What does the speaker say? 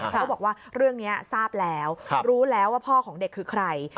เขาบอกว่าเรื่องนี้ทราบแล้วรู้แล้วว่าพ่อของเด็กคือใคร